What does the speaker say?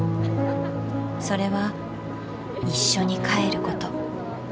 それは一緒に帰ること。